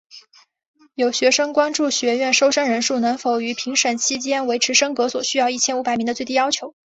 有学生关注学院收生人数能否于评审期间维持升格所需一千五百名的最低要求。